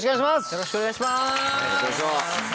よろしくお願いします！